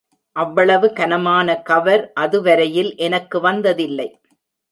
அவ்வளவு கனமான கவர் அதுவரையில் எனக்கு வந்ததில்லை.